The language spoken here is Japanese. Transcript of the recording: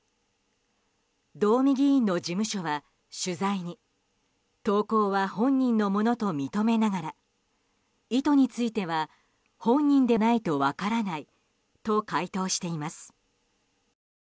道見議員の事務所は取材に投稿は本人のものと認めながら意図については本人でないと分からないと回答しています。